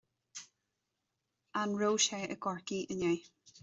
An raibh sé i gCorcaigh inné